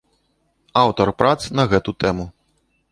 Аўтар прац на гэту тэму.